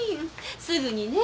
すぐにね。